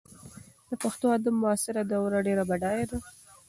د پښتو ادب معاصره دوره ډېره بډایه ده.